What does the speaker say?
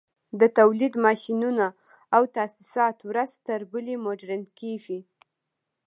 د تولید ماشینونه او تاسیسات ورځ تر بلې مډرن کېږي